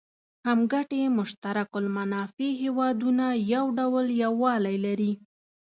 هم ګټي مشترک المنافع هېوادونه یو ډول یووالی لري.